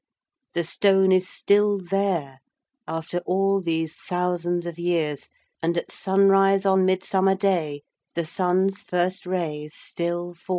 The stone is still there, after all these thousands of years, and at sunrise on Midsummer Day the sun's first ray still falls on it.